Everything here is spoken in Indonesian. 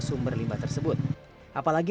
sumber limbah tersebut apalagi